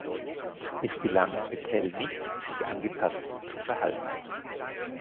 Es gelang Bataille nicht, sich angepasst zu verhalten.